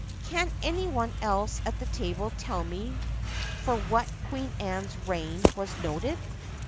Can any one else at the table tell me for what Queen Anne's reign was noted